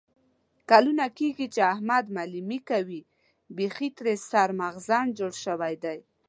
کلونه کېږي چې احمد معلیمي کوي. بیخي ترې سر مغزن شوی دی.